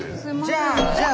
じゃあじゃあ。